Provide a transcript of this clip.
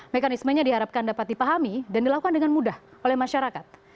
mekanismenya diharapkan dapat dipahami dan dilakukan dengan mudah oleh masyarakat